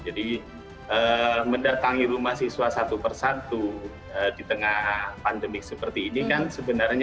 jadi mendatangi rumah siswa satu persatu di tengah pandemi seperti ini kan sebenarnya